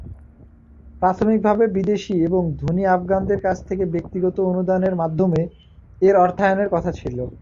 প্রাথমিকভাবে বিদেশী এবং ধনী আফগানদের কাছ থেকে ব্যক্তিগত অনুদানের মাধ্যমে এর অর্থায়নের কথা ছিলো।